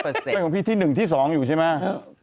มันของพี่ที่๑ที่๒อยู่ใช่ไหม